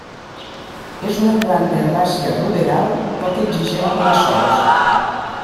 És una planta herbàcia ruderal, poc exigent quant a sòls.